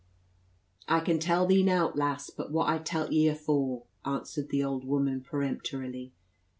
"I can tell thee nowt, lass, but what I telt ye afoore," answered the old woman peremptorily.